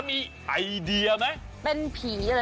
น่าก็เหมือนผีแล้วนะ